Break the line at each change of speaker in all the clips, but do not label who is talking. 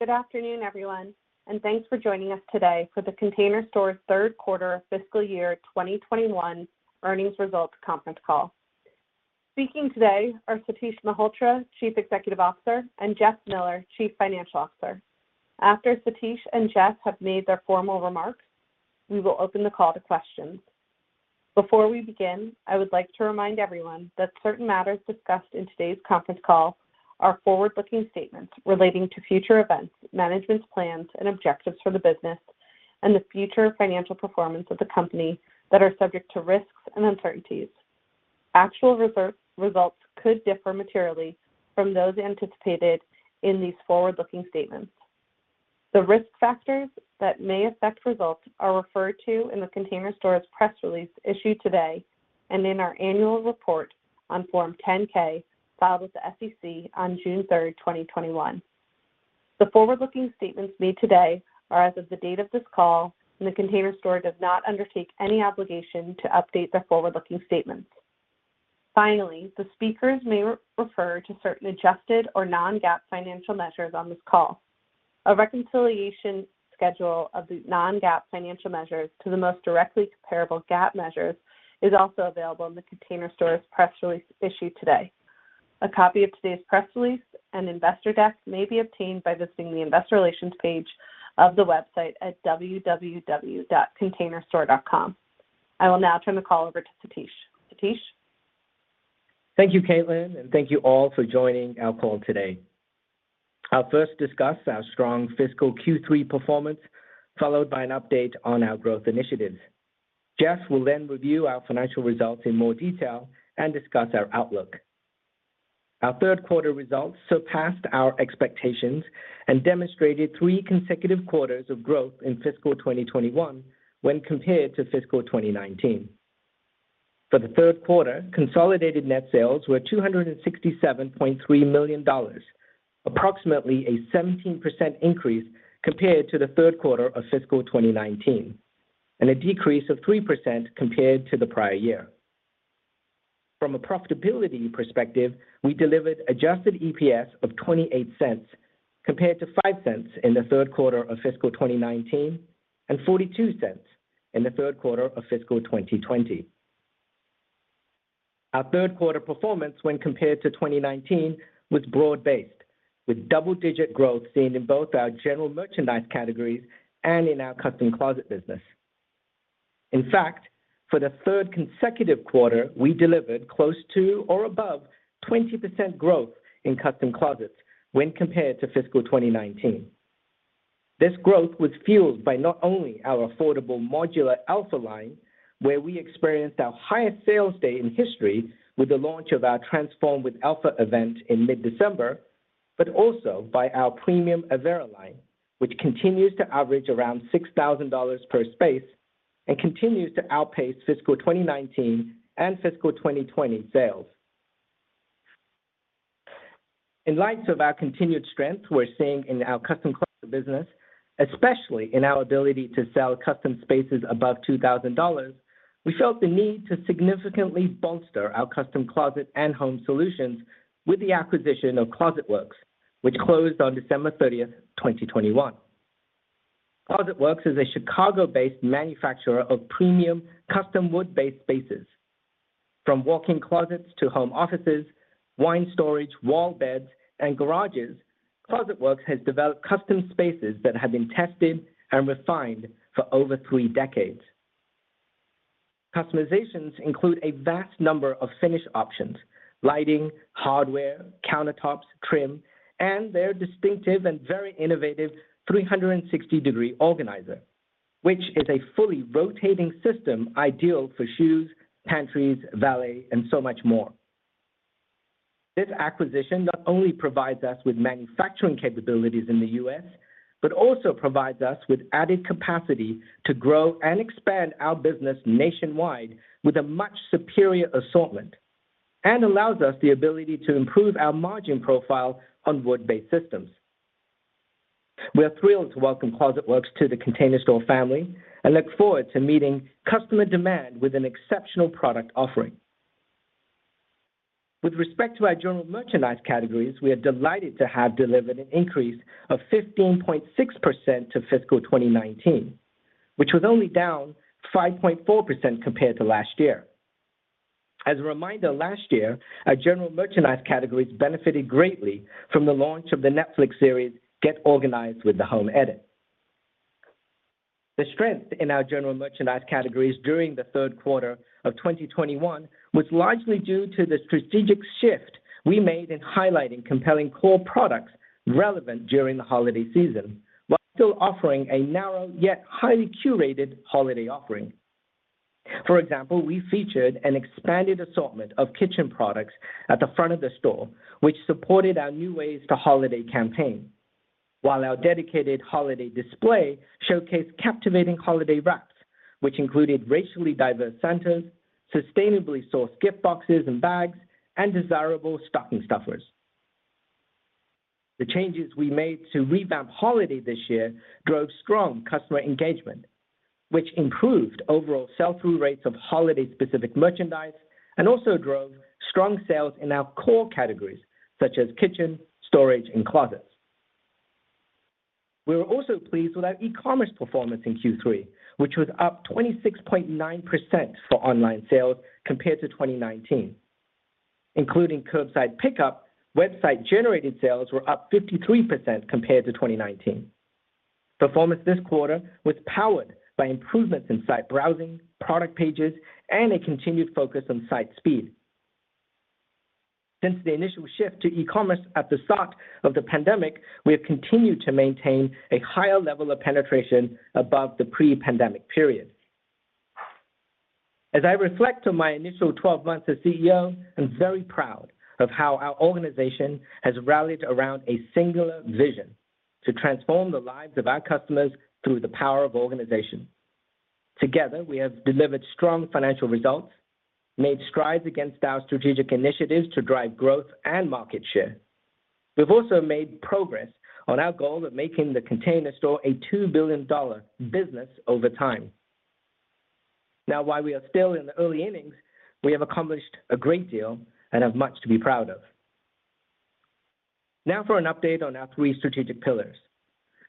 Good afternoon, everyone, and thanks for joining us today for The Container Store third quarter fiscal year 2021 earnings results conference call. Speaking today are Satish Malhotra, Chief Executive Officer, and Jeff Miller, Chief Financial Officer. After Satish and Jeff have made their formal remarks, we will open the call to questions. Before we begin, I would like to remind everyone that certain matters discussed in today's conference call are forward-looking statements relating to future events, management's plans and objectives for the business, and the future financial performance of the company that are subject to risks and uncertainties. Actual results could differ materially from those anticipated in these forward-looking statements. The risk factors that may affect results are referred to in The Container Store's press release issued today and in our annual report on Form 10-K filed with the SEC on June 3rd, 2021. The forward-looking statements made today are as of the date of this call, and The Container Store does not undertake any obligation to update the forward-looking statements. Finally, the speakers may refer to certain adjusted or non-GAAP financial measures on this call. A reconciliation schedule of the non-GAAP financial measures to the most directly comparable GAAP measures is also available in The Container Store's press release issued today. A copy of today's press release and investor deck may be obtained by visiting the investor relations page of the website at www.containerstore.com. I will now turn the call over to Satish. Satish.
Thank you, [Caitlin], and thank you all for joining our call today. I'll first discuss our strong fiscal Q3 performance, followed by an update on our growth initiatives. Jeff will then review our financial results in more detail and discuss our outlook. Our third quarter results surpassed our expectations and demonstrated three consecutive quarters of growth in fiscal 2021 when compared to fiscal 2019. For the third quarter, consolidated net sales were $267.3 million, approximately a 17% increase compared to the third quarter of fiscal 2019, and a decrease of 3% compared to the prior year. From a profitability perspective, we delivered adjusted EPS of $0.28 compared to $0.05 in the third quarter of fiscal 2019 and $0.42 in the third quarter of fiscal 2020. Our third quarter performance when compared to 2019 was broad-based, with double-digit growth seen in both our general merchandise categories and in our Custom Closets business. In fact, for the third consecutive quarter, we delivered close to or above 20% growth in Custom Closets when compared to fiscal 2019. This growth was fueled by not only our affordable modular Elfa line, where we experienced our highest sales day in history with the launch of our Transform with Elfa event in mid-December, but also by our premium Avera line, which continues to average around $6,000 per space and continues to outpace fiscal 2019 and fiscal 2020 sales. In light of our continued strength we're seeing in our Custom Closets business, especially in our ability to sell custom spaces above $2,000, we felt the need to significantly bolster our Custom Closets and Home Solutions with the acquisition of Closet Works, which closed on December 30th, 2021. Closet Works is a Chicago-based manufacturer of premium custom wood-based spaces. From walk-in closets to home offices, wine storage, wall beds, and garages, Closet Works has developed custom spaces that have been tested and refined for over three decades. Customizations include a vast number of finish options, lighting, hardware, countertops, trim, and their distinctive and very innovative 360-degree organizer, which is a fully rotating system ideal for shoes, pantries, valet, and so much more. This acquisition not only provides us with manufacturing capabilities in the U.S., but also provides us with added capacity to grow and expand our business nationwide with a much superior assortment and allows us the ability to improve our margin profile on wood-based systems. We are thrilled to welcome Closet Works to The Container Store family and look forward to meeting customer demand with an exceptional product offering. With respect to our general merchandise categories, we are delighted to have delivered an increase of 15.6% to fiscal 2019, which was only down 5.4% compared to last year. As a reminder, last year, our general merchandise categories benefited greatly from the launch of the Netflix series, Get Organized with The Home Edit. The strength in our general merchandise categories during the third quarter of 2021 was largely due to the strategic shift we made in highlighting compelling core products relevant during the holiday season, while still offering a narrow yet highly curated holiday offering. For example, we featured an expanded assortment of kitchen products at the front of the store, which supported our New Ways to Holiday campaign, while our dedicated holiday display showcased captivating holiday wraps, which included racially diverse Santas, sustainably sourced gift boxes and bags, and desirable stocking stuffers. The changes we made to revamp holiday this year drove strong customer engagement, which improved overall sell-through rates of holiday specific merchandise and also drove strong sales in our core categories such as kitchen, storage, and closets. We were also pleased with our e-commerce performance in Q3, which was up 26.9% for online sales compared to 2019. Including curbside pickup, website generated sales were up 53% compared to 2019. Performance this quarter was powered by improvements in site browsing, product pages, and a continued focus on site speed. Since the initial shift to e-commerce at the start of the pandemic, we have continued to maintain a higher level of penetration above the pre-pandemic period. As I reflect on my initial 12 months as CEO, I'm very proud of how our organization has rallied around a singular vision to transform the lives of our customers through the power of organization. Together, we have delivered strong financial results, made strides against our strategic initiatives to drive growth and market share. We've also made progress on our goal of making The Container Store a $2 billion business over time. Now while we are still in the early innings, we have accomplished a great deal and have much to be proud of. Now for an update on our three strategic pillars.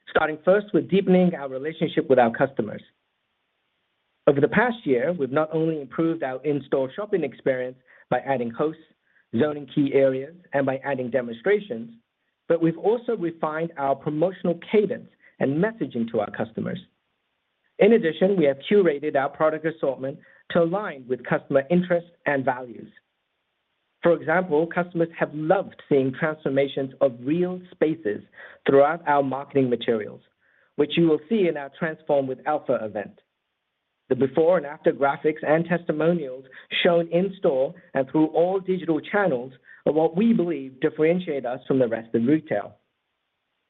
Starting first with deepening our relationship with our customers. Over the past year, we've not only improved our in-store shopping experience by adding hosts, zoning key areas, and by adding demonstrations, but we've also refined our promotional cadence and messaging to our customers. In addition, we have curated our product assortment to align with customer interests and values. For example, customers have loved seeing transformations of real spaces throughout our marketing materials, which you will see in our Transform with Elfa event. The before and after graphics and testimonials shown in store and through all digital channels are what we believe differentiate us from the rest of retail.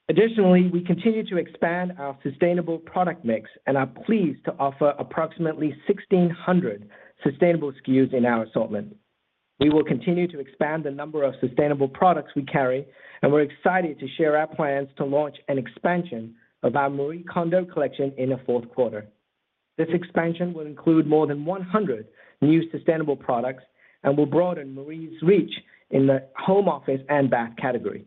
Additionally, we continue to expand our sustainable product mix and are pleased to offer approximately 1,600 sustainable SKUs in our assortment. We will continue to expand the number of sustainable products we carry, and we're excited to share our plans to launch an expansion of our Marie Kondo collection in the fourth quarter. This expansion will include more than 100 new sustainable products and will broaden Marie's reach in the home office and bath category.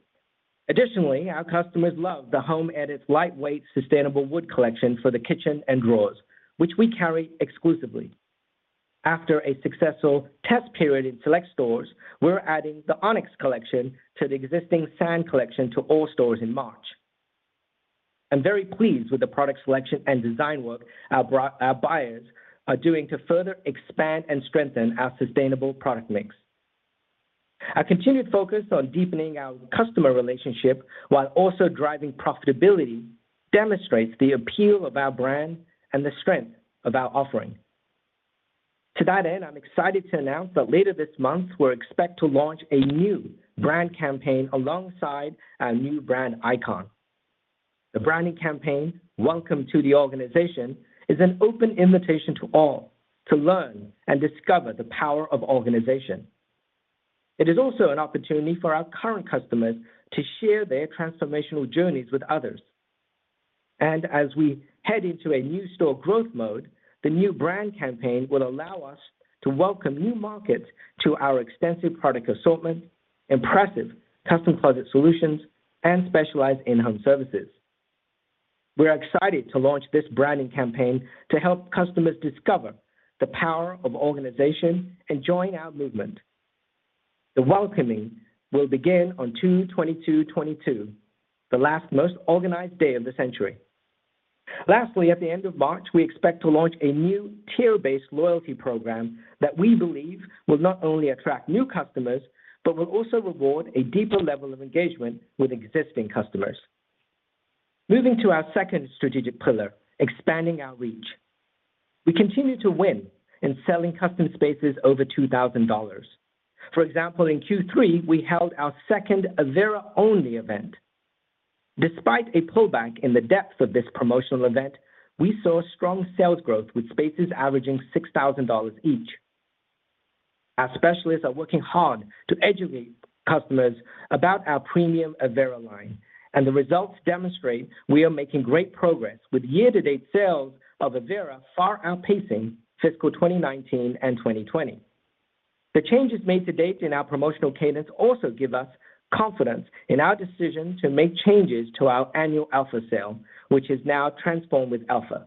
Additionally, our customers love The Home Edit lightweight sustainable wood collection for the kitchen and drawers, which we carry exclusively. After a successful test period in select stores, we're adding the Onyx collection to the existing Sand collection to all stores in March. I'm very pleased with the product selection and design work our buyers are doing to further expand and strengthen our sustainable product mix. Our continued focus on deepening our customer relationship while also driving profitability demonstrates the appeal of our brand and the strength of our offering. To that end, I'm excited to announce that later this month, we'll expect to launch a new brand campaign alongside our new brand icon. The branding campaign, Welcome to The Organization, is an open invitation to all to learn and discover the power of organization. It is also an opportunity for our current customers to share their transformational journeys with others. As we head into a new store growth mode, the new brand campaign will allow us to welcome new markets to our extensive product assortment, impressive custom closet solutions, and specialized in-home services. We are excited to launch this branding campaign to help customers discover the power of organization and join our movement. The Welcome will begin on 2/22/2022, the last most organized day of the century. At the end of March, we expect to launch a new tier-based loyalty program that we believe will not only attract new customers, but will also reward a deeper level of engagement with existing customers. Moving to our second strategic pillar, expanding our reach. We continue to win in selling custom spaces over $2,000. For example, in Q3, we held our second Avera-only event. Despite a pull back in the depth of this promotional event, we saw strong sales growth with spaces averaging $6,000 each. Our specialists are working hard to educate customers about our premium Avera line, and the results demonstrate we are making great progress with year-to-date sales of Avera far outpacing fiscal 2019 and 2020. The changes made to date in our promotional cadence also give us confidence in our decision to make changes to our annual Elfa sale, which is now Transform with Elfa.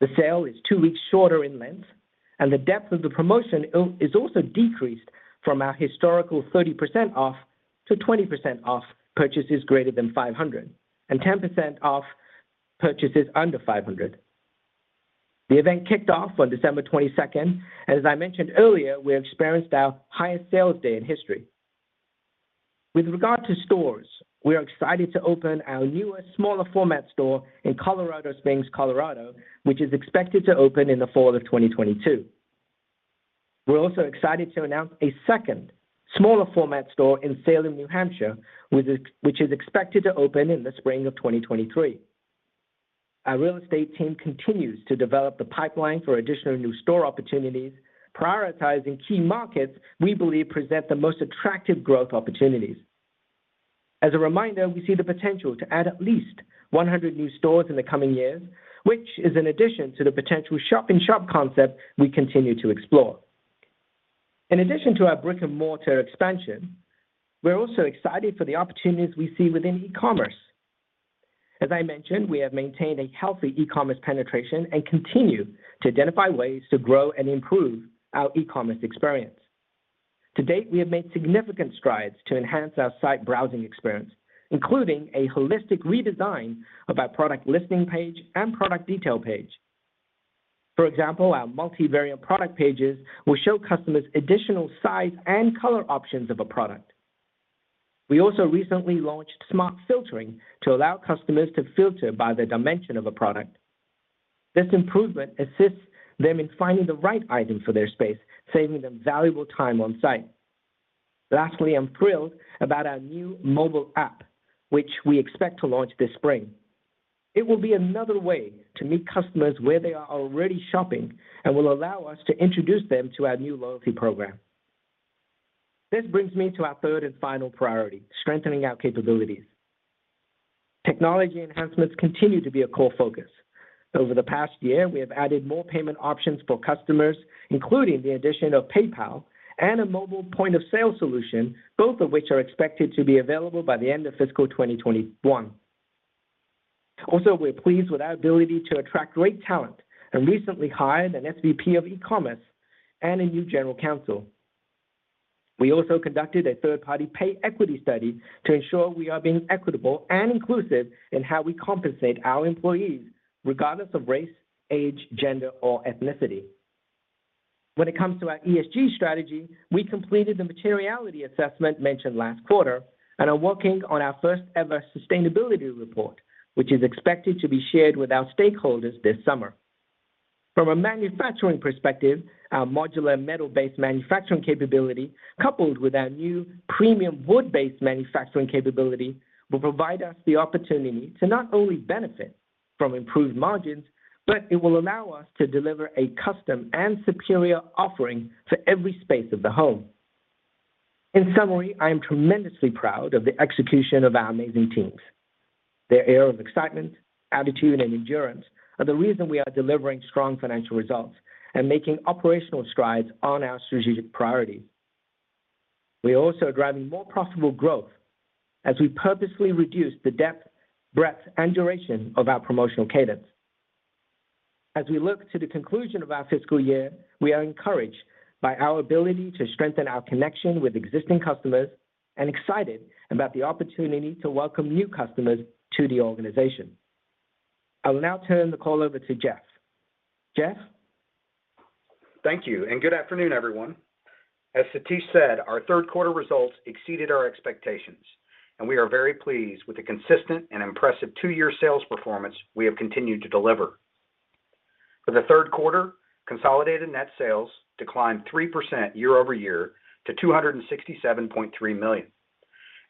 The sale is two weeks shorter in length, and the depth of the promotion is also decreased from our historical 30% off to 20% off purchases greater than $500 and 10% off purchases under $500. The event kicked off on December 22nd, and as I mentioned earlier, we experienced our highest sales day in history. With regard to stores, we are excited to open our newest smaller format store in Colorado Springs, Colorado, which is expected to open in the fall of 2022. We're also excited to announce a second smaller format store in Salem, New Hampshire, which is expected to open in the spring of 2023. Our real estate team continues to develop the pipeline for additional new store opportunities, prioritizing key markets we believe present the most attractive growth opportunities. As a reminder, we see the potential to add at least 100 new stores in the coming years, which is in addition to the potential shop-in-shop concept we continue to explore. In addition to our brick-and-mortar expansion, we're also excited for the opportunities we see within e-commerce. As I mentioned, we have maintained a healthy e-commerce penetration and continue to identify ways to grow and improve our e-commerce experience. To date, we have made significant strides to enhance our site browsing experience, including a holistic redesign of our product listing page and product detail page. For example, our multivariate product pages will show customers additional size and color options of a product. We also recently launched smart filtering to allow customers to filter by the dimension of a product. This improvement assists them in finding the right item for their space, saving them valuable time on site. Lastly, I'm thrilled about our new mobile app, which we expect to launch this spring. It will be another way to meet customers where they are already shopping and will allow us to introduce them to our new loyalty program. This brings me to our third and final priority, strengthening our capabilities. Technology enhancements continue to be a core focus. Over the past year, we have added more payment options for customers, including the addition of PayPal and a mobile point-of-sale solution, both of which are expected to be available by the end of fiscal 2021. Also, we're pleased with our ability to attract great talent and recently hired an SVP of e-commerce and a new general counsel. We also conducted a third-party pay equity study to ensure we are being equitable and inclusive in how we compensate our employees, regardless of race, age, gender, or ethnicity. When it comes to our ESG strategy, we completed the materiality assessment mentioned last quarter and are working on our first-ever sustainability report, which is expected to be shared with our stakeholders this summer. From a manufacturing perspective, our modular metal-based manufacturing capability, coupled with our new premium wood-based manufacturing capability, will provide us the opportunity to not only benefit from improved margins, but it will allow us to deliver a custom and superior offering for every space of the home. In summary, I am tremendously proud of the execution of our amazing teams. Their air of excitement, attitude, and endurance are the reason we are delivering strong financial results and making operational strides on our strategic priority. We are also driving more profitable growth as we purposely reduce the depth, breadth, and duration of our promotional cadence. As we look to the conclusion of our fiscal year, we are encouraged by our ability to strengthen our connection with existing customers and excited about the opportunity to welcome new customers to the organization. I will now turn the call over to Jeff. Jeff?
Thank you, and good afternoon, everyone. As Satish said, our third quarter results exceeded our expectations, and we are very pleased with the consistent and impressive two-year sales performance we have continued to deliver. For the third quarter, consolidated net sales declined 3% year-over-year to $267.3 million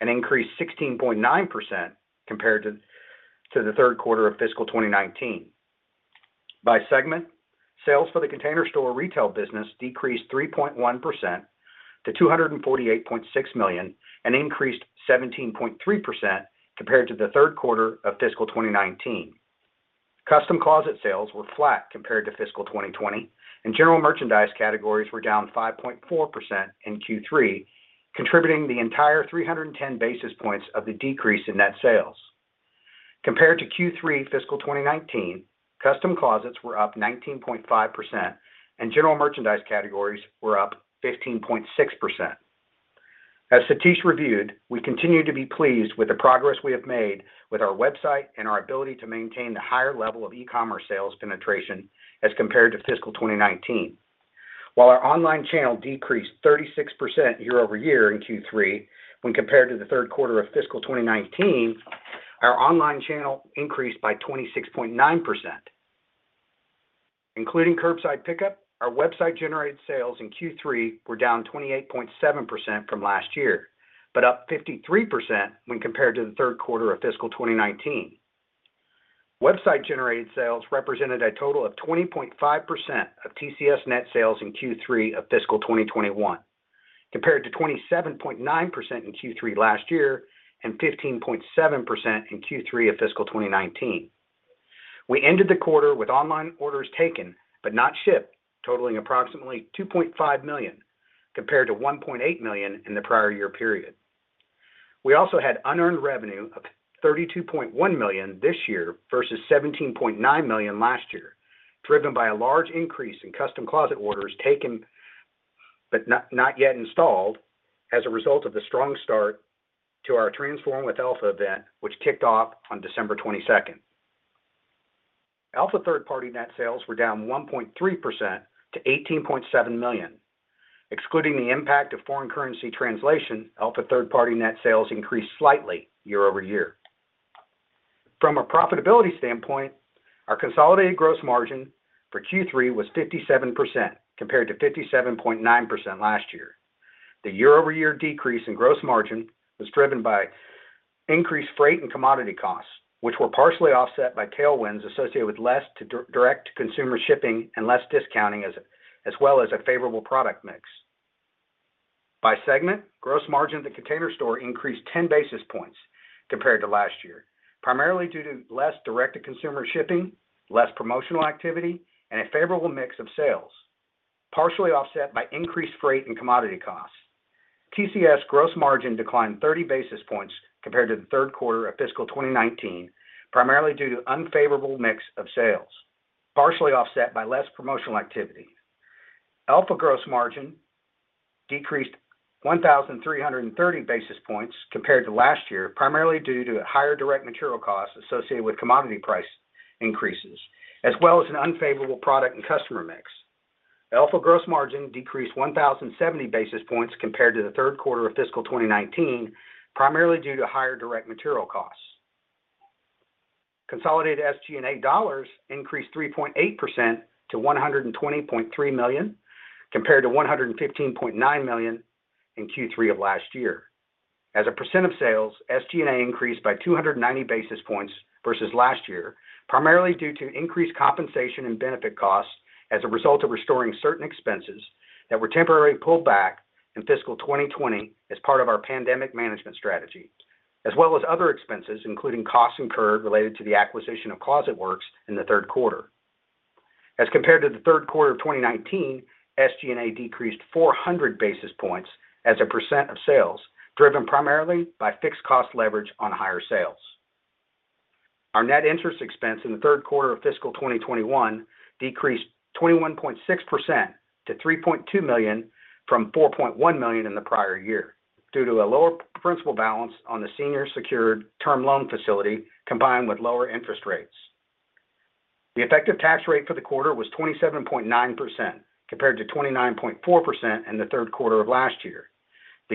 and increased 16.9% compared to the third quarter of fiscal 2019. By segment, sales for The Container Store retail business decreased 3.1% to $248.6 million and increased 17.3% compared to the third quarter of fiscal 2019. Custom Closets sales were flat compared to fiscal 2020, and general merchandise categories were down 5.4% in Q3, contributing the entire 310 basis points of the decrease in net sales. Compared to Q3 fiscal 2019, Custom Closets were up 19.5%, and general merchandise categories were up 15.6%. Satish reviewed, we continue to be pleased with the progress we have made with our website and our ability to maintain the higher level of e-commerce sales penetration as compared to fiscal 2019. While our online channel decreased 36% year-over-year in Q3 when compared to the third quarter of fiscal 2019, our online channel increased by 26.9%. Including curbside pickup, our website-generated sales in Q3 were down 28.7% from last year, but up 53% when compared to the third quarter of fiscal 2019. Website-generated sales represented a total of 20.5% of TCS net sales in Q3 of fiscal 2021, compared to 27.9% in Q3 last year and 15.7% in Q3 of fiscal 2019. We ended the quarter with online orders taken but not shipped, totaling approximately $2.5 million, compared to $1.8 million in the prior year period. We also had unearned revenue of $32.1 million this year versus $17.9 million last year, driven by a large increase in Custom Closets orders taken but not yet installed as a result of the strong start to our Transform with Elfa event, which kicked off on December 22nd. Elfa third-party net sales were down 1.3% to $18.7 million. Excluding the impact of foreign currency translation, Elfa third-party net sales increased slightly year-over-year. From a profitability standpoint, our consolidated gross margin for Q3 was 57%, compared to 57.9% last year. The year-over-year decrease in gross margin was driven by increased freight and commodity costs, which were partially offset by tailwinds associated with less direct-to-consumer shipping and less discounting as well as a favorable product mix. By segment, gross margin at The Container Store increased 10 basis points compared to last year, primarily due to less direct-to-consumer shipping, less promotional activity, and a favorable mix of sales, partially offset by increased freight and commodity costs. TCS gross margin declined 30 basis points compared to the third quarter of fiscal 2019, primarily due to unfavorable mix of sales, partially offset by less promotional activity. Elfa gross margin decreased 1,330 basis points compared to last year, primarily due to higher direct material costs associated with commodity price increases, as well as an unfavorable product and customer mix. Elfa gross margin decreased 1,070 basis points compared to the third quarter of fiscal 2019, primarily due to higher direct material costs. Consolidated SG&A dollars increased 3.8% to $120.3 million, compared to $115.9 million in Q3 of last year. As a percent of sales, SG&A increased by 290 basis points versus last year, primarily due to increased compensation and benefit costs as a result of restoring certain expenses that were temporarily pulled back in fiscal 2020 as part of our pandemic management strategy, as well as other expenses, including costs incurred related to the acquisition of Closet Works in the third quarter. As compared to the third quarter of 2019, SG&A decreased 400 basis points as a percent of sales, driven primarily by fixed cost leverage on higher sales. Our net interest expense in the third quarter of fiscal 2021 decreased 21.6% to $3.2 million from $4.1 million in the prior year, due to a lower principal balance on the senior secured term loan facility combined with lower interest rates. The effective tax rate for the quarter was 27.9%, compared to 29.4% in the third quarter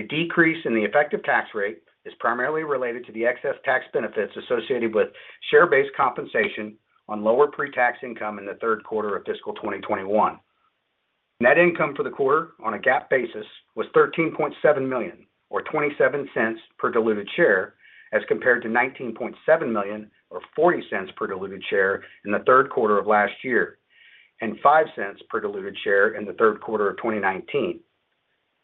of last year. The decrease in the effective tax rate is primarily related to the excess tax benefits associated with share-based compensation on lower pre-tax income in the third quarter of fiscal 2021. Net income for the quarter on a GAAP basis was $13.7 million or $0.27 per diluted share as compared to $19.7 million or $0.40 per diluted share in the third quarter of last year and $0.05 per diluted share in the third quarter of 2019.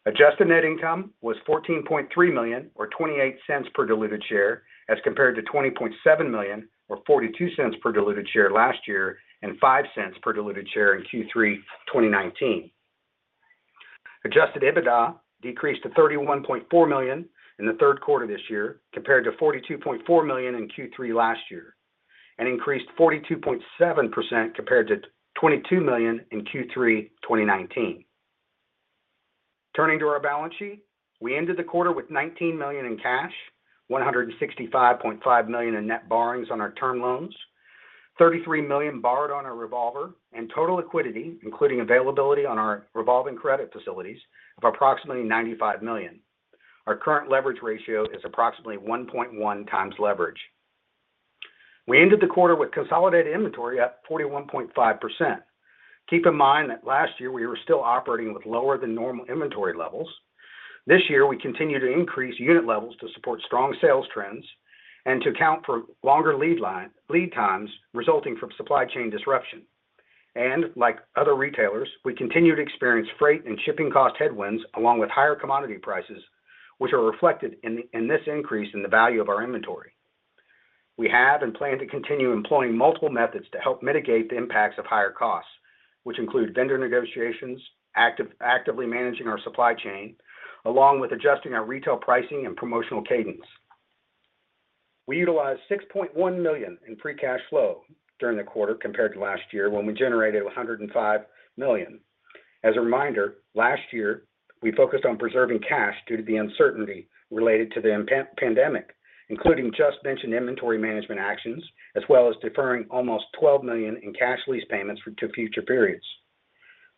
Adjusted net income was $14.3 million or $0.28 per diluted share as compared to $20.7 million or $0.42 per diluted share last year and $0.05 per diluted share in Q3 2019. Adjusted EBITDA decreased to $31.4 million in the third quarter this year, compared to $42.4 million in Q3 last year, and increased 42.7% compared to $22 million in Q3 2019. Turning to our balance sheet, we ended the quarter with $19 million in cash, $165.5 million in net borrowings on our term loans, $33 million borrowed on our revolver, and total liquidity, including availability on our revolving credit facilities, of approximately $95 million. Our current leverage ratio is approximately 1.1x leverage. We ended the quarter with consolidated inventory up 41.5%. Keep in mind that last year we were still operating with lower than normal inventory levels. This year, we continue to increase unit levels to support strong sales trends and to account for longer lead times resulting from supply chain disruption. Like other retailers, we continue to experience freight and shipping cost headwinds along with higher commodity prices, which are reflected in this increase in the value of our inventory. We have and plan to continue employing multiple methods to help mitigate the impacts of higher costs, which include vendor negotiations, actively managing our supply chain, along with adjusting our retail pricing and promotional cadence. We utilized $6.1 million in Free Cash Flow during the quarter compared to last year when we generated $105 million. As a reminder, last year we focused on preserving cash due to the uncertainty related to the pandemic, including just-mentioned inventory management actions, as well as deferring almost $12 million in cash lease payments to future periods.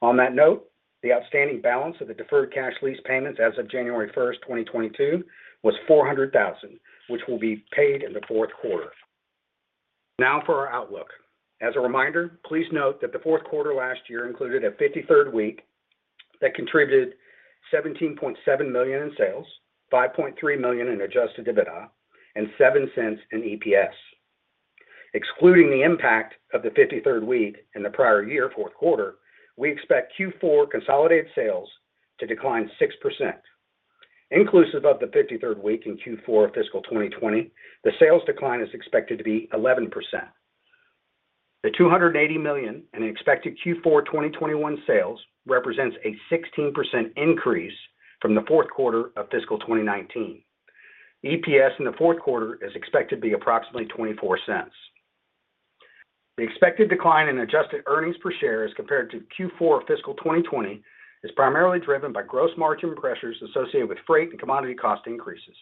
On that note, the outstanding balance of the deferred cash lease payments as of January 1st, 2022 was $400,000, which will be paid in the fourth quarter. Now for our outlook. As a reminder, please note that the fourth quarter last year included a 53rd week that contributed $17.7 million in sales, $5.3 million in adjusted EBITDA, and $0.07 in EPS. Excluding the impact of the 53rd week in the prior year fourth quarter, we expect Q4 consolidated sales to decline 6%. Inclusive of the 53rd week in Q4 fiscal 2020, the sales decline is expected to be 11%. The $280 million in expected Q4 2021 sales represents a 16% increase from the fourth quarter of fiscal 2019. EPS in the fourth quarter is expected to be approximately $0.24. The expected decline in adjusted earnings per share as compared to Q4 fiscal 2020 is primarily driven by gross margin pressures associated with freight and commodity cost increases.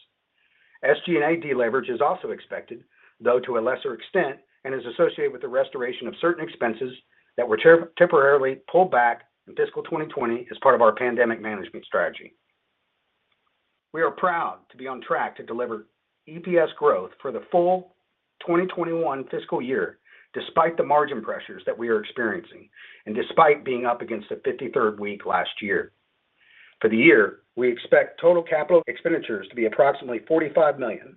SG&A deleverage is also expected, though to a lesser extent, and is associated with the restoration of certain expenses that were temporarily pulled back in fiscal 2020 as part of our pandemic management strategy. We are proud to be on track to deliver EPS growth for the full 2021 fiscal year, despite the margin pressures that we are experiencing and despite being up against the 53rd week last year. For the year, we expect total capital expenditures to be approximately $45 million,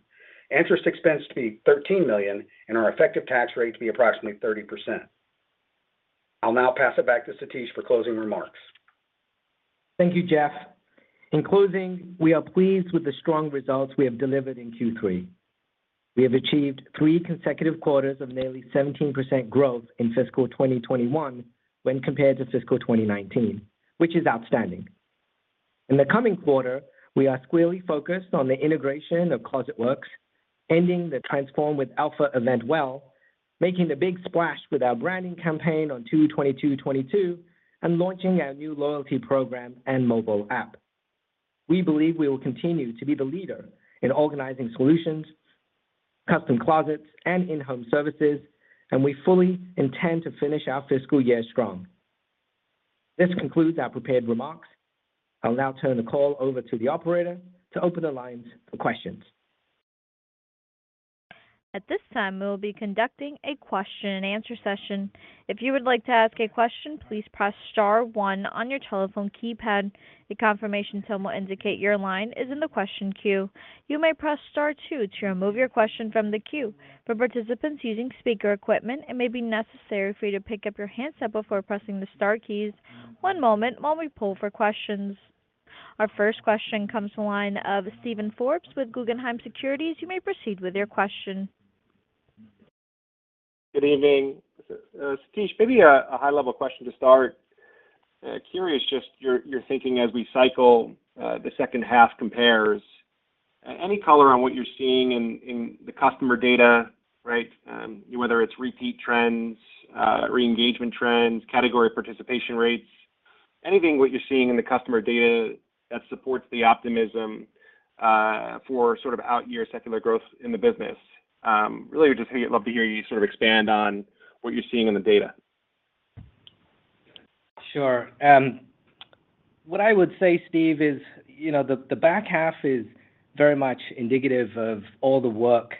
interest expense to be $13 million, and our effective tax rate to be approximately 30%. I'll now pass it back to Satish for closing remarks.
Thank you, Jeff. In closing, we are pleased with the strong results we have delivered in Q3. We have achieved three consecutive quarters of nearly 17% growth in fiscal 2021 when compared to fiscal 2019, which is outstanding. In the coming quarter, we are squarely focused on the integration of Closet Works, ending the Transform with Elfa event well, making a big splash with our branding campaign on 2/22/2022, and launching our new loyalty program and mobile app. We believe we will continue to be the leader in organizing solutions, Custom Closets, and in-home services, and we fully intend to finish our fiscal year strong. This concludes our prepared remarks. I'll now turn the call over to the operator to open the lines for questions.
At this time, we'll be conducting a question and answer session. If you'd like to ask a question, please press star one on your telephone keypad, a confirmation will indicate your question is on the queue. You may press star two to remove your question from the queue. One moment, while we pool for questions. Our first question comes from the line of Steven Forbes with Guggenheim Securities. You may proceed with your question.
Good evening. Satish, maybe a high-level question to start. Curious just your thinking as we cycle the second half comps. Any color on what you're seeing in the customer data, right? Whether it's repeat trends, re-engagement trends, category participation rates, anything what you're seeing in the customer data that supports the optimism for sort of out year secular growth in the business. Really just think I'd love to hear you sort of expand on what you're seeing in the data.
Sure. What I would say, Steve, is the back half is very much indicative of all the work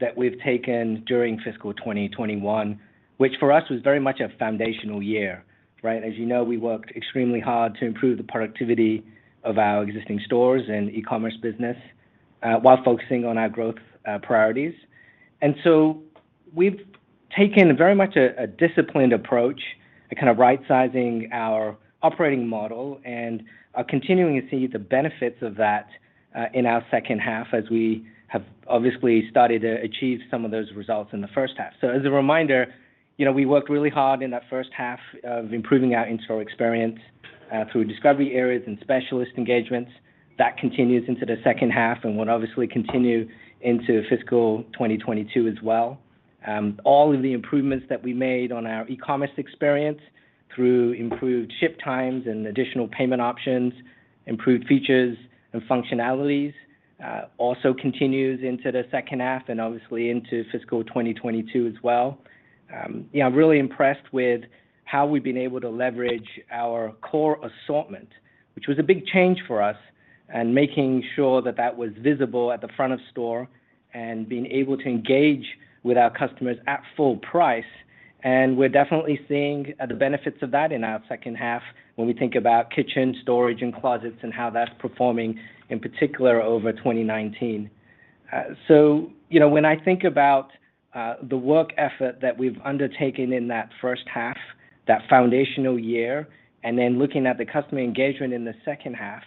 that we've taken during fiscal 2021, which for us was very much a foundational year, right? As you know, we worked extremely hard to improve the productivity of our existing stores and e-commerce business while focusing on our growth priorities. We've taken very much a disciplined approach to kind of right-sizing our operating model and are continuing to see the benefits of that in our second half as we have obviously started to achieve some of those results in the first half. As a reminder, we worked really hard in that first half of improving our in-store experience through discovery areas and specialist engagements. That continues into the second half and will obviously continue into fiscal 2022 as well. All of the improvements that we made on our e-commerce experience through improved ship times and additional payment options, improved features and functionalities, also continues into the second half and obviously into fiscal 2022 as well. I'm really impressed with how we've been able to leverage our core assortment, which was a big change for us, and making sure that was visible at the front of store and being able to engage with our customers at full price. We're definitely seeing the benefits of that in our second half when we think about kitchen, storage, and closets and how that's performing in particular over 2019. When I think about the work effort that we've undertaken in that first half, that foundational year, and then looking at the customer engagement in the second half,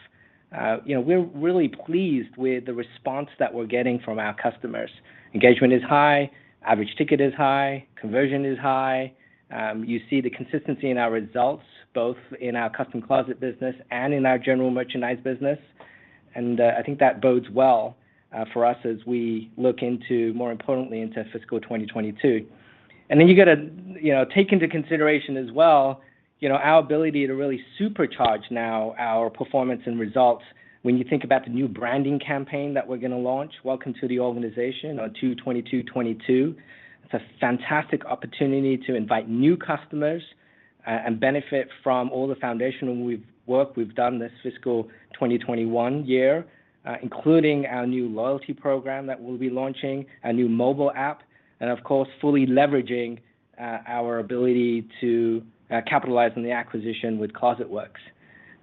we're really pleased with the response that we're getting from our customers. Engagement is high, average ticket is high, conversion is high. You see the consistency in our results, both in our Custom Closets business and in our general merchandise business. I think that bodes well for us as we look into, more importantly, into fiscal 2022. You gotta take into consideration as well, our ability to really supercharge now our performance and results when you think about the new branding campaign that we're gonna launch, Welcome to The Organization on 2/22/2022. It's a fantastic opportunity to invite new customers and benefit from all the foundational work we've done this fiscal 2021 year, including our new loyalty program that we'll be launching, a new mobile app, and of course, fully leveraging our ability to capitalize on the acquisition with Closet Works.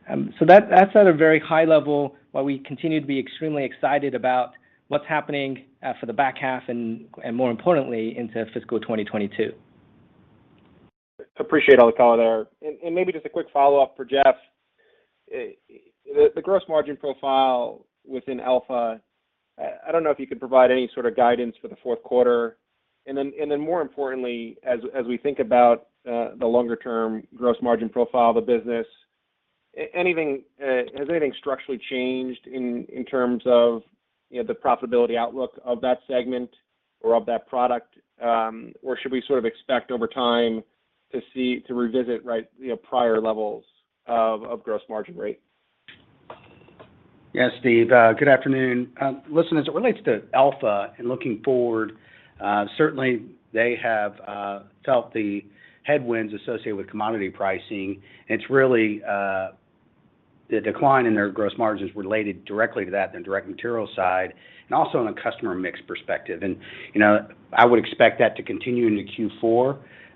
That's at a very high level, but we continue to be extremely excited about what's happening for the back half and more importantly, into fiscal 2022.
Appreciate all the color there. Maybe just a quick follow-up for Jeff. The gross margin profile within Elfa, I don't know if you could provide any sort of guidance for the fourth quarter. More importantly, as we think about the longer term gross margin profile of the business, has anything structurally changed in terms of the profitability outlook of that segment or of that product? Or should we sort of expect over time to revisit prior levels of gross margin rate?
Yes, Steven. Good afternoon. Listen, as it relates to Elfa and looking forward, certainly they have felt the headwinds associated with commodity pricing. It's really the decline in their gross margins related directly to that in direct material side and also in a customer mix perspective. I would expect that to continue into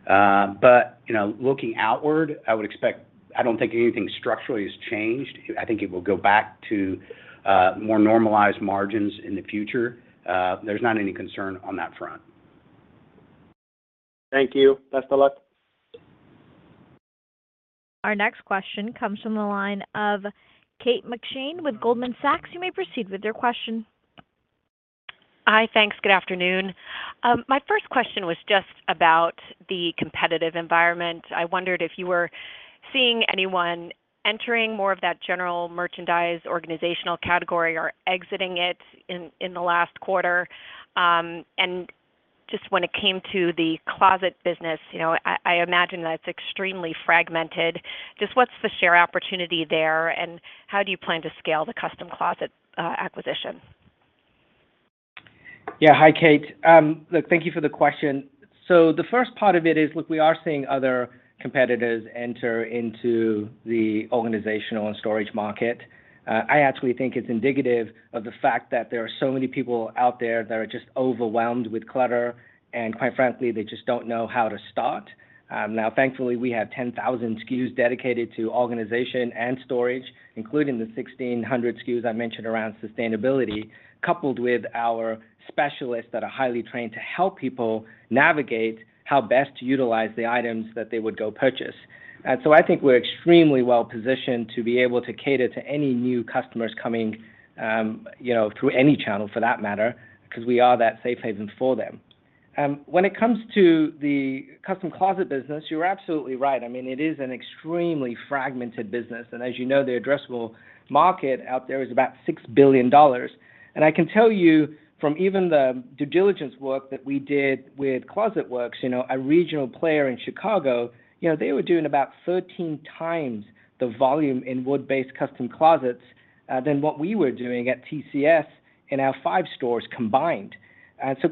Q4. Looking outward, I don't think anything structurally has changed. I think it will go back to more normalized margins in the future. There's not any concern on that front.
Thank you. Best of luck.
Our next question comes from the line of Kate McShane with Goldman Sachs. You may proceed with your question.
Hi. Thanks. Good afternoon. My first question was just about the competitive environment. I wondered if you were seeing anyone entering more of that general merchandise organizational category or exiting it in the last quarter. Just when it came to the closet business, I imagine that's extremely fragmented. Just what's the share opportunity there, and how do you plan to scale the custom closet acquisition?
Yeah. Hi, Kate. Look, thank you for the question. The first part of it is, look, we are seeing other competitors enter into the organizational and storage market. I actually think it's indicative of the fact that there are so many people out there that are just overwhelmed with clutter, and quite frankly, they just don't know how to start. Now, thankfully, we have 10,000 SKUs dedicated to organization and storage, including the 1,600 SKUs I mentioned around sustainability, coupled with our specialists that are highly trained to help people navigate how best to utilize the items that they would go purchase. I think we're extremely well-positioned to be able to cater to any new customers coming, through any channel for that matter because we are that safe haven for them. When it comes to the custom closet business, you're absolutely right. I mean, it is an extremely fragmented business, and as you know, the addressable market out there is about $6 billion. I can tell you from even the due diligence work that we did with Closet Works, a regional player in Chicago, you know, they were doing about 13x the volume in wood-based custom closets than what we were doing at TCS in our 5 stores combined.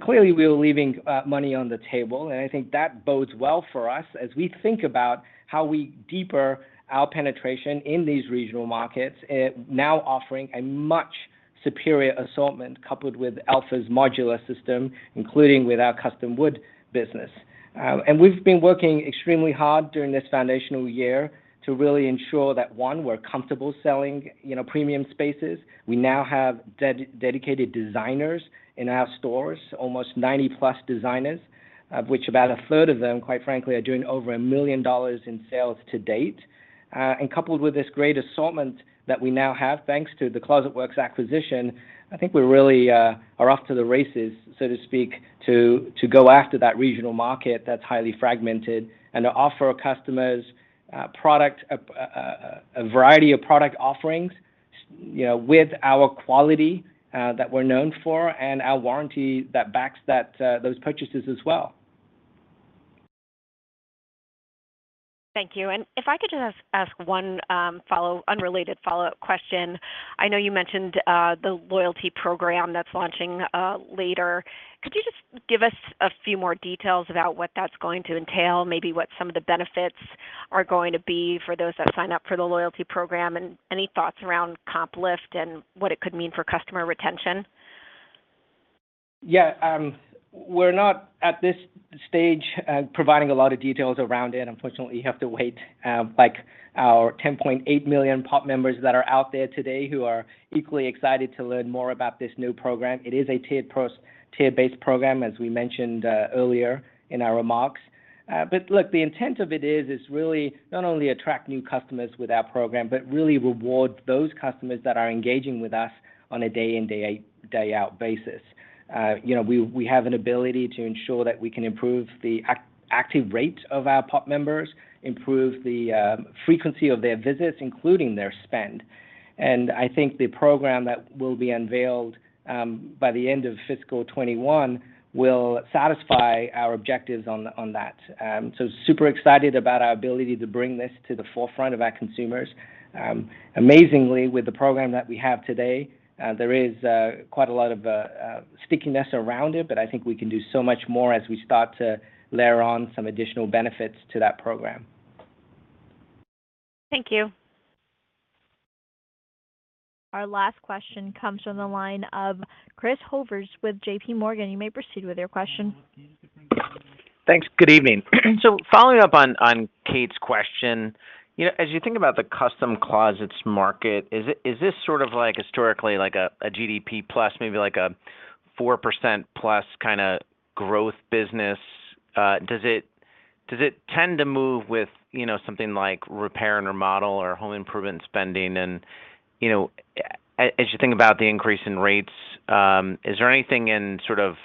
Clearly, we were leaving money on the table, and I think that bodes well for us as we think about how we deepen our penetration in these regional markets and now offering a much superior assortment coupled with Elfa's modular system, including with our custom wood business. We've been working extremely hard during this foundational year to really ensure that, one, we're comfortable selling premium spaces. We now have dedicated designers in our stores, almost 90+ designers, of which about 1/3 of them, quite frankly, are doing over $1 million in sales to date. Coupled with this great assortment that we now have, thanks to the Closet Works acquisition, I think we really are off to the races, so to speak, to go after that regional market that's highly fragmented and to offer our customers a variety of product offerings, with our quality that we're known for and our warranty that backs those purchases as well.
Thank you. If I could just ask one, unrelated follow-up question. I know you mentioned the loyalty program that's launching later. Could you just give us a few more details about what that's going to entail, maybe what some of the benefits are going to be for those that sign up for the loyalty program, and any thoughts around comp lift and what it could mean for customer retention?
Yeah. We're not at this stage providing a lot of details around it. Unfortunately, you have to wait, like our 10.8 million POP members that are out there today who are equally excited to learn more about this new program. It is a tier-based program, as we mentioned earlier in our remarks. Look, the intent of it is really not only attract new customers with our program, but really reward those customers that are engaging with us on a day in, day out basis. We have an ability to ensure that we can improve the active rate of our POP members, improve the frequency of their visits, including their spend. I think the program that will be unveiled by the end of fiscal 2021 will satisfy our objectives on that. Super excited about our ability to bring this to the forefront of our consumers. Amazingly, with the program that we have today, there is quite a lot of stickiness around it, but I think we can do so much more as we start to layer on some additional benefits to that program.
Thank you.
Our last question comes from the line of Chris Horvers with JPMorgan. You may proceed with your question.
Thanks. Good evening. Following up on Kate's question, as you think about the Custom Closets market, is this sort of like historically like a GDP plus maybe like a 4%+ kinda growth business? Does it tend to move with something like repair and remodel or home improvement spending? As you think about the increase in rates, is there anything in sort of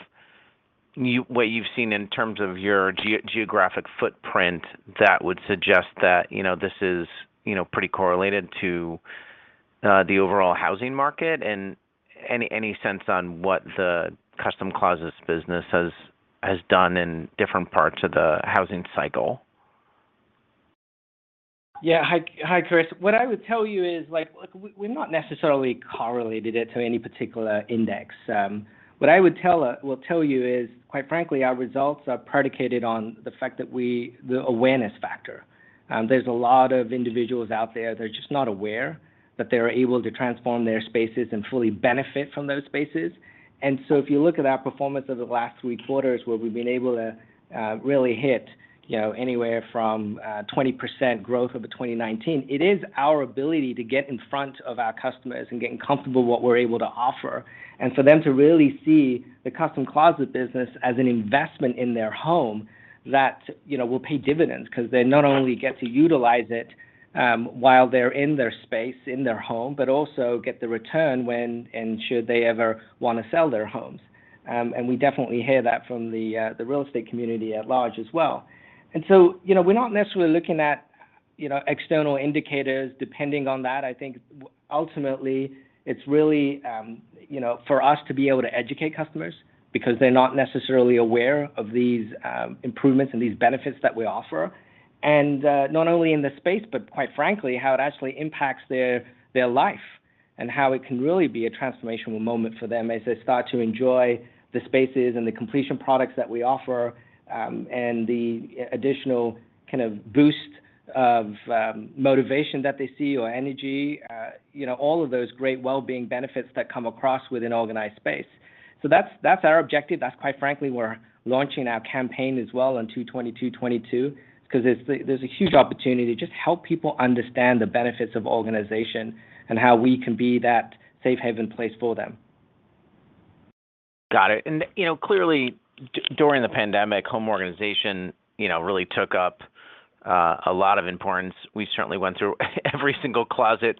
what you've seen in terms of your geographic footprint that would suggest that this is pretty correlated to the overall housing market? And any sense on what the Custom Closets business has done in different parts of the housing cycle?
Yeah. Hi, Chris. What I would tell you is, like, look, we're not necessarily correlated to any particular index. What I will tell you is, quite frankly, our results are predicated on the fact that with the awareness factor. There's a lot of individuals out there that are just not aware that they are able to transform their spaces and fully benefit from those spaces. So if you look at our performance over the last three quarters, where we've been able to really hit anywhere from 20% growth over 2019, it is our ability to get in front of our customers and getting comfortable with what we're able to offer. To really see the Custom Closets business as an investment in their home that will pay dividends because they not only get to utilize it, while they're in their space, in their home, but also get the return when and should they ever wanna sell their homes. We definitely hear that from the real estate community at large as well. We're not necessarily looking at external indicators, depending on that. I think ultimately it's really for us to be able to educate customers because they're not necessarily aware of these improvements and these benefits that we offer. Not only in the space, but quite frankly, how it actually impacts their life and how it can really be a transformational moment for them as they start to enjoy the spaces and the complementary products that we offer, and the additional kind of boost of motivation that they see or energy. All of those great well-being benefits that come across with an organized space. That's our objective. That's quite frankly, we're launching our campaign as well on 2/22/2022, 'cause there's a huge opportunity to just help people understand the benefits of organization and how we can be that safe haven place for them.
Got it. You know, clearly during the pandemic, home organization really took up a lot of importance. We certainly went through every single closet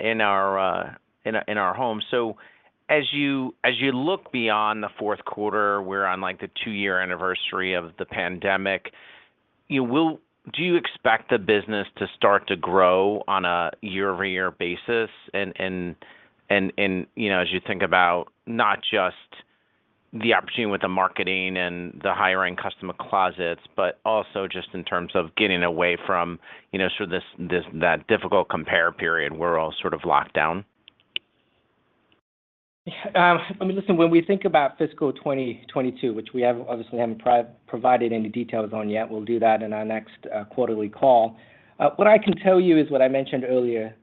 in our home. As you look beyond the fourth quarter, we're on like the two-year anniversary of the pandemic. Will, do you expect the business to start to grow on a year-over-year basis? As you think about not just the opportunity with the marketing and the higher-end customer closets, but also just in terms of getting away from this difficult compare period, we're all sort of locked down.
Yeah. I mean, listen, when we think about fiscal 2022, which we have obviously haven't provided any details on yet, we'll do that in our next quarterly call. What I can tell you is what I mentioned earlier,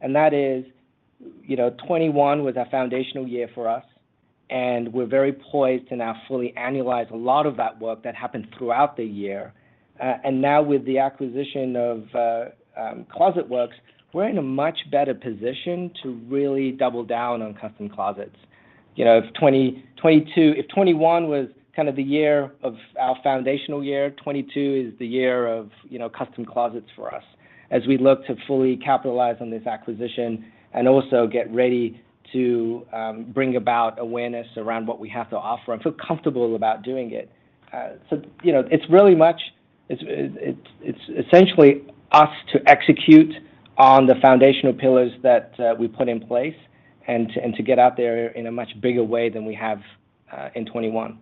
and that is, 2021 was a foundational year for us, and we're very poised to now fully annualize a lot of that work that happened throughout the year. Now with the acquisition of Closet Works, we're in a much better position to really double down on Custom Closets. If 2021 was kind of the year of our foundational year, 2022 is the year of Custom Closets for us as we look to fully capitalize on this acquisition and also get ready to bring about awareness around what we have to offer and feel comfortable about doing it. It's really much. It's essentially us to execute on the foundational pillars that we put in place and to get out there in a much bigger way than we have in 2021.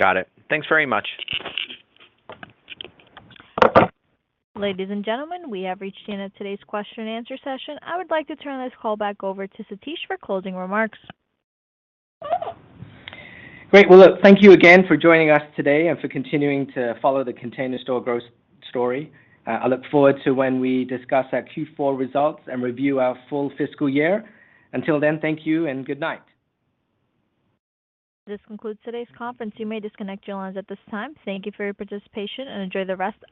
Got it. Thanks very much.
Ladies and gentlemen, we have reached the end of today's question and answer session. I would like to turn this call back over to Satish for closing remarks.
Great. Well, look, thank you again for joining us today and for continuing to follow the Container Store growth story. I look forward to when we discuss our Q4 results and review our full fiscal year. Until then, thank you and good night.
This concludes today's conference. You may disconnect your lines at this time. Thank you for your participation and enjoy the rest of...